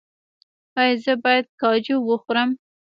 ایا زه باید کاجو وخورم؟